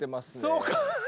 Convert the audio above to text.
そうか。